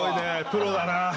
プロだな。